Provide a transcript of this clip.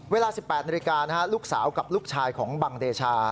เวลา๑๘นาฬิกาลูกสาวกับลูกชายของบังเดชา